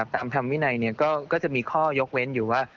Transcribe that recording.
ตามธรรมวินัยก็จะมีข้อยกเว้นอยู่ว่า